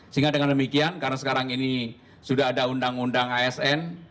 sehingga dengan demikian karena sekarang ini sudah ada undang undang asn